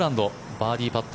バーディーパット。